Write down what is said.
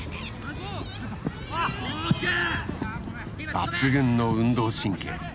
抜群の運動神経。